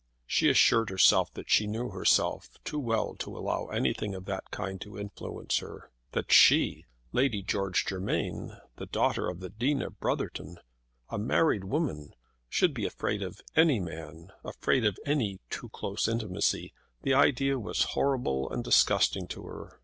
She assured herself that she knew herself too well to allow anything of that kind to influence her. That she, Lady George Germain, the daughter of the Dean of Brotherton, a married woman, should be afraid of any man, afraid of any too close intimacy! The idea was horrible and disgusting to her.